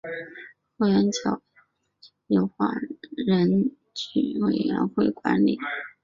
鹤园角北帝庙目前由华人庙宇委员会管理。